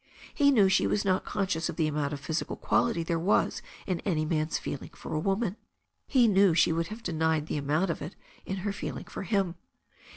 He knew she was not conscious of the amount of physical quality there was in any man's feeling for a woman. He knew she would have denied the amount of it in her feeling for him.